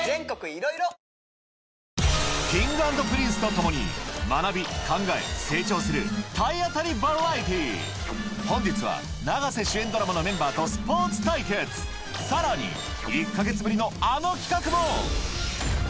Ｋｉｎｇ＆Ｐｒｉｎｃｅとともに学び考え成長する体当たりバラエティー本日は永瀬主演ドラマのメンバーとスポーツ対決さらに１か月ぶりのあの企画も！